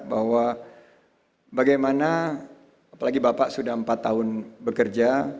bahwa bagaimana apalagi bapak sudah empat tahun bekerja